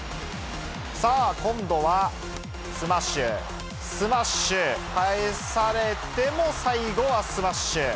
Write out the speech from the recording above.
さあ、今度はスマッシュ、スマッシュ、返されても、最後はスマッシュ。